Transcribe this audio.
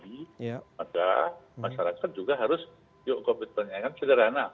maka masyarakat juga harus yuk covid sembilan belas penyelenggaraan sederhana